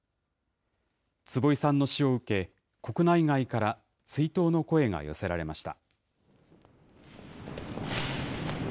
坪井さんの死を受け、国内外から追悼の声が寄せられました。